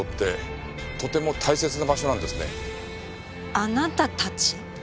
あなたたち？